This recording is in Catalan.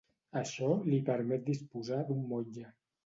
Això li permet disposar d'un motlle.